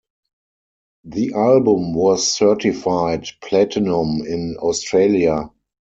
The album was certified platinum in Australia.